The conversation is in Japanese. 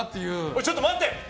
ちょっと待って。